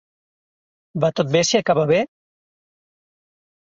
Va tot bé, si acaba bé?